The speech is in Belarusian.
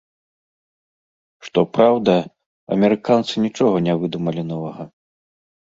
Што праўда, амерыканцы нічога не выдумалі новага.